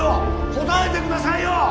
答えてくださいよ！